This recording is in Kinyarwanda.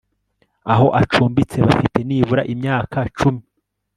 aho acumbitse bafite nibura imyaka cumi